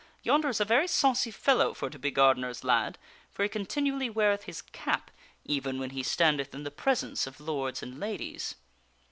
Yonder is a very saucy fellow for to be a gardener's lad, for he continually weareth his cap, even when he standeth in the presence of lords and ladies."